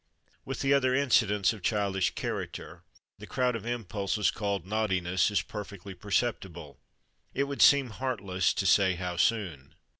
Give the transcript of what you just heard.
With the other incidents of childish character, the crowd of impulses called "naughtiness" is perfectly perceptible it would seem heartless to say how soon.